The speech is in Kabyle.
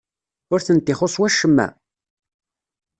Ur tent-ixuṣṣ wacemma?